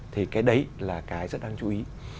thì cái đấy là cái rất đáng chú ý